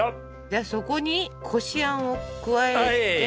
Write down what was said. じゃあそこにこしあんを加えて。